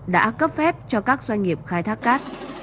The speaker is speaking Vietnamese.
đã cấp phép cho các doanh nghiệp khai thác cát